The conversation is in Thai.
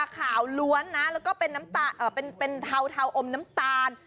ขาวล้วนนะแล้วก็เป็นเทาอมน้ำตาล